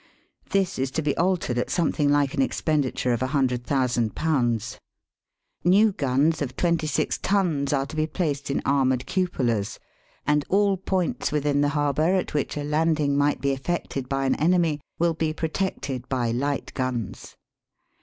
This is to be altered at something like an expenditure of J£100,000. New guns of twenty six tons are to be placed in armom'ed cupolas, and all points within the harbour at which a landing might be effected by an enemy will be pro tected by light guns.